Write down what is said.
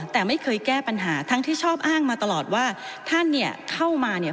แต่ไม่เคยแก้ปัญหาทั้งที่ชอบอ้างมาตลอดว่าท่านเนี่ยเข้ามาเนี่ย